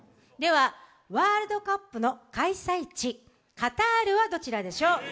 ではワールドカップの開催地、カタールはどちらでしょう？